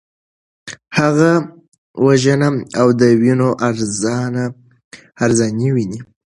هغه وژنه او د وینو ارزاني ویني.